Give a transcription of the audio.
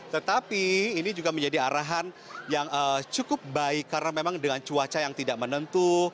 tetapi ini juga menjadi arahan yang cukup baik karena memang dengan cuaca yang tidak menentu